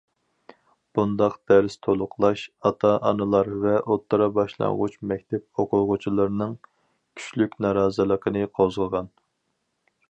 بۇنداق دەرس تولۇقلاش ئاتا- ئانىلار ۋە ئوتتۇرا- باشلانغۇچ مەكتەپ ئوقۇغۇچىلىرىنىڭ كۈچلۈك نارازىلىقىنى قوزغىغان.